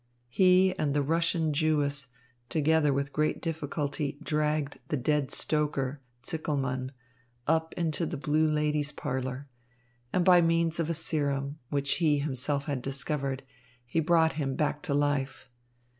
He and the Russian Jewess together with great difficulty dragged the dead stoker, Zickelmann, up into the blue ladies' parlour; and by means of a serum, which he himself had discovered, he brought him back to life.